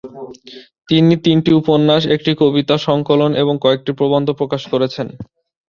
তিনি তিনটি উপন্যাস, একটি কবিতা সংকলন এবং কয়েকটি প্রবন্ধ প্রকাশ করেছেন।